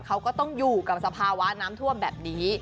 เขาก็ต้องอยู่กับสภาวะน้ำท่วมแบบนี้